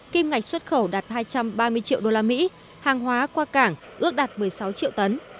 kim ngạch xuất khẩu đạt hai trăm ba mươi triệu usd hàng hóa qua cảng ước đạt một mươi sáu triệu tấn